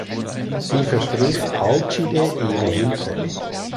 Sie verspricht Alcide ihre Hilfe.